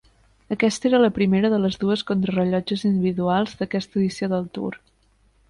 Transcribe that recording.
Aquesta era la primera de les dues contrarellotges individuals d'aquesta edició del Tour.